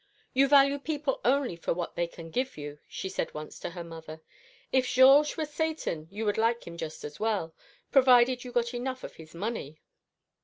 'You value people only for what they can give you,' she said once to her mother. 'If Georges were Satan, you would like him just as well provided you got enough of his money.'